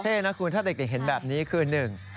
เท่นะคุณถ้าเด็กเห็นแบบนี้คือ